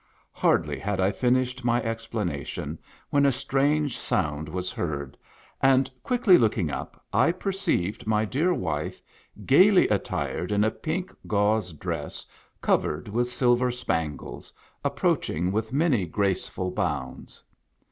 Hardly had I finished my explanation when a strange sound was heard, and, quickly looking up, I perceived my dear wife, gayly attired in a pink gauze dress covered with silver spangles, approaching with many graceful bounds.